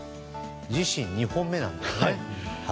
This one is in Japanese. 自身２本目なんですね。